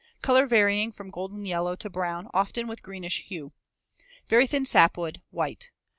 Color varying from golden yellow to brown, often with greenish hue. Very thin sapwood, white.